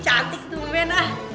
cantik tuh men